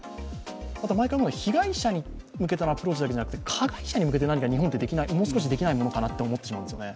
毎回思うのは被害者に向けてのアプローチだけじゃなくて、加害者に向けて何か日本ってもう少しできないかなと思ってしまうんですね。